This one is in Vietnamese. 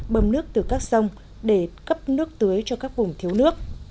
bơm nước từ các sông để cấp nước tưới cho các vùng thiếu nước